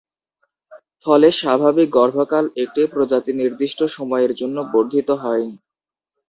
ফলে, স্বাভাবিক গর্ভকাল একটি প্রজাতি-নির্দিষ্ট সময়ের জন্য বর্ধিত হয়।